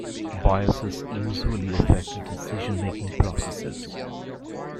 Biases usually affect decision-making processes.